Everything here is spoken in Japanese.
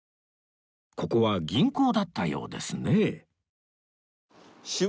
ここは銀行だったようですね